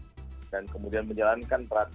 terutama kepolisian yang melaksanakan effort luar biasa